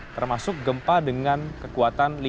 termasuk gempa dengan kekuatan